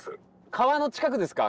川の近くですか？